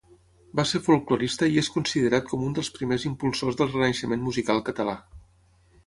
Va ser folklorista i és considerat com un dels primers impulsors del renaixement musical català.